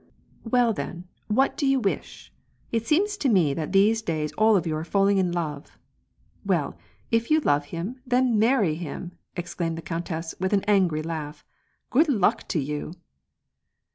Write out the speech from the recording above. " Well then, what do you wish ? It seems to me that these days all of you are falling in love. Well, if you love him, then marry him," exclaimed the countess, with an angry laagh. " Grood luck to you